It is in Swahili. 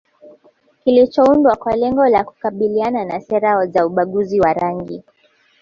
kilichoundwa kwa lengo la kukabiliana na sera za ubaguzi wa rangi